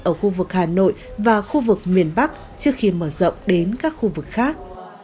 ở khu vực hà nội và khu vực miền bắc trước khi mở rộng đến các khu vực khác